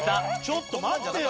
ちょっと待ってよ。